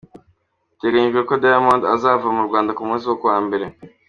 Biteganyijwe ko Diamond azava mu Rwanda ku munsi wo kuwa mbere.